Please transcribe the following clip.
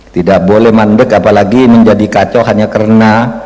tidak boleh mandek apalagi menjadi kacau hanya karena